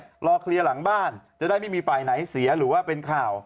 รอเคลียร์หลังบ้านจะได้ไม่มีฝ่ายไหนเสียหรือว่าเป็นข่าว